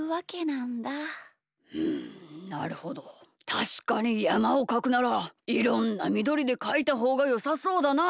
たしかにやまをかくならいろんなみどりでかいたほうがよさそうだな。